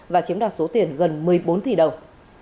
và chiếm đoạt số tiền gần một mươi bốn tỷ đồng